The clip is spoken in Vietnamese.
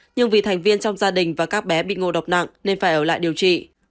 nhưng vì thành viên trong gia đình và các bé bị ngộ độc nặng nên phải ở lại điều trị